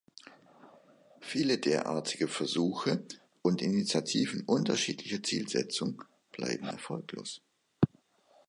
Viele derartige Versuche und Initiativen unterschiedlicher Zielsetzung bleiben erfolglos.